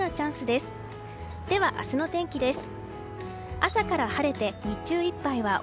では明日の天気です。